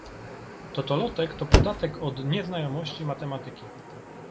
Totolotek to podatek od nieznajomości matematyki.